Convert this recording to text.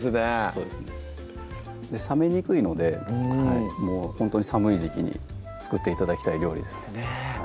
そうですね冷めにくいのでもうほんとに寒い時期に作って頂きたい料理ですねねぇ